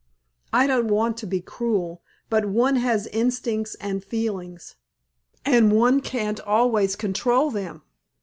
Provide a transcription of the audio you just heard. I don't want to be cruel, but one has instincts and feelings, and one can't always control them.